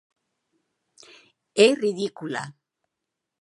É ridícula.